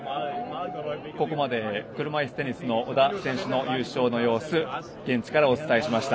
ここまで車いすテニスの小田選手の優勝の様子現地からお伝えしました。